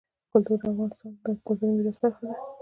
کلتور د افغانستان د کلتوري میراث برخه ده.